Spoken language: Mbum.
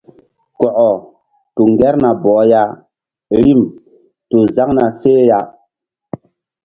Kɔkɔ tu ŋgerna bɔh ya rim tu zaŋ na seh ya.